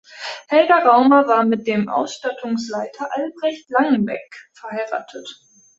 Helga Raumer war mit dem Ausstattungsleiter Albrecht Langenbeck verheiratet.